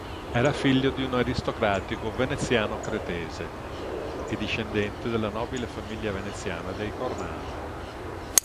Era figlio di un aristocratico veneziano-cretese e discendente della nobile famiglia veneziana dei Cornaro.